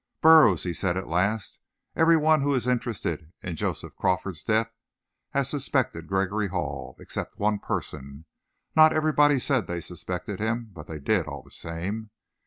"Burroughs," he said at last, "every one who is interested in Joseph Crawford's death has suspected Gregory Hall, except one person. Not everybody said they suspected him, but they did, all the same.